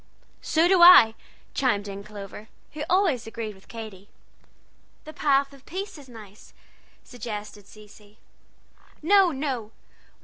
"So do I!" chimed in Clover, who always agreed with Katy. "The Path of Peace is nice," suggested Cecy. "No, no!